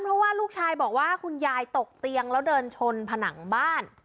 เพราะว่าลูกชายบอกว่าคุณยายตกเตียงแล้วเดินชนผนังบ้าน